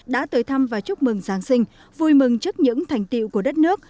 đã tới thăm và chúc mừng giáng sinh vui mừng trước những thành tiệu của đất nước